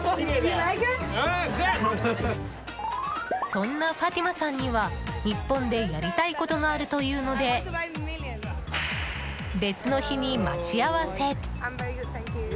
そんなファティマさんには日本でやりたいことがあるというので別の日に、待ち合わせ。